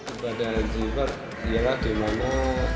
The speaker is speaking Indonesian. ibadah haji ifrat ialah dimana